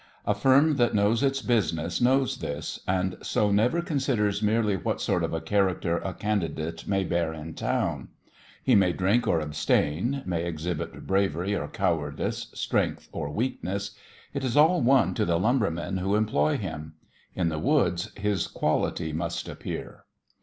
A firm that knows its business knows this, and so never considers merely what sort of a character a candidate may bear in town. He may drink or abstain, may exhibit bravery or cowardice, strength or weakness it is all one to the lumbermen who employ him. In the woods his quality must appear.